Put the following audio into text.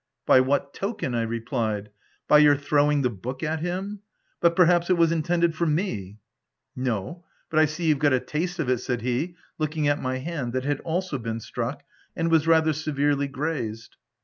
"By what token?" I replied; "by your throwing the book at him ? but perhaps, it was intended for me ? v " No — but I see you've got a taste of it," said he, looking at my hand, that had also been struck, and was rather severely grazed.